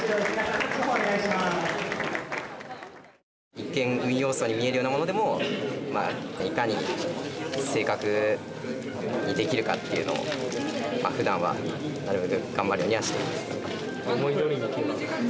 一見運要素に見えるようなものでもいかに正確にできるかっていうのをふだんはなるべく頑張るようにはしています。